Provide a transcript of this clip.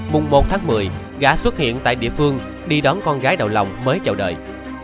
mùng một tháng một mươi gã xuất hiện tại địa phương đi đón con gái đậu lòng mới chào đợi